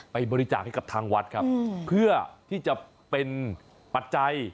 บริจาคให้กับทางวัดครับเพื่อที่จะเป็นปัจจัย